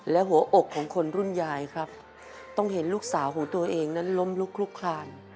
และหัวอกของคนรุ่นยายครับต้องเห็นลูกสาวของตัวเองนั้นล้มลุกลุกคลาน